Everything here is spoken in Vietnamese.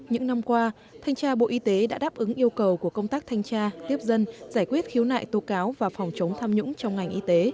những năm qua thanh tra bộ y tế đã đáp ứng yêu cầu của công tác thanh tra tiếp dân giải quyết khiếu nại tố cáo và phòng chống tham nhũng trong ngành y tế